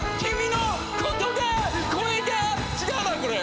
違うなこれ。